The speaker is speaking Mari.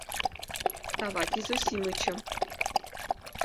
Саватий Зосимычым.